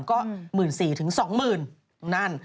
ก็๑๔๐๐๐ถึง๒๐๐๐๐นั่น